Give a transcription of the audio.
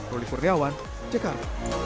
roly purniawan cekar